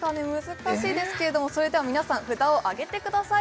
難しいですけれどもそれでは皆さん札を上げてください